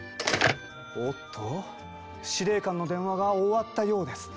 おっと司令官の電話が終わったようです。